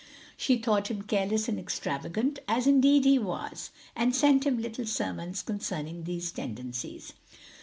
She thought him careless and extravagant, as indeed he was, and sent him little sermons concerning these tendencies.